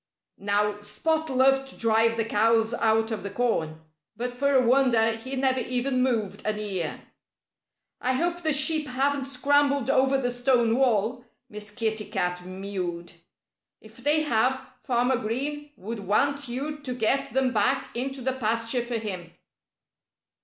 Now, Spot loved to drive the cows out of the corn. But for a wonder, he never even moved an ear. "I hope the sheep haven't scrambled over the stone wall," Miss Kitty Cat mewed. "If they have, Farmer Green would want you to get them back into the pasture for him."